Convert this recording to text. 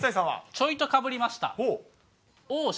ちょいとかぶりました。